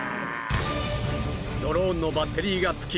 ドローンのバッテリーが尽き